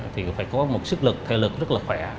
thì phải có một sức lực thể lực rất là khỏe